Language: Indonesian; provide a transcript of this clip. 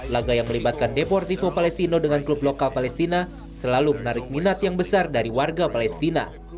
laga yang melibatkan deportivo palestino dengan klub lokal palestina selalu menarik minat yang besar dari warga palestina